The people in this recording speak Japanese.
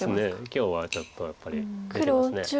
今日はちょっとやっぱり出てます。